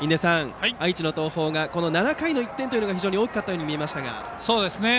愛知の東邦が、７回の１点が非常に大きかったように見えます。